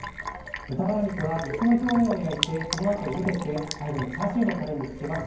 豚バラ肉は肉の表面を焼いてそのあとゆでて最後にチャーシューのたれにつけます。